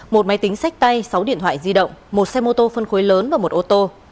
một máy tính sách tay sáu điện thoại di động một xe mô tô phân khối lớn và một ô tô